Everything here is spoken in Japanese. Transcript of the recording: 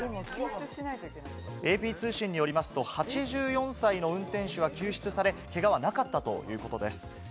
ＡＰ通信によりますと、８４歳の運転手は救出され、けがはなかったということです。